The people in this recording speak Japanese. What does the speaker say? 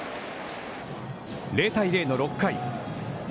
０対０の６回。